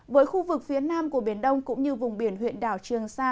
với khu vực phía nam của biển đông cũng như vùng biển huyện đảo trường sa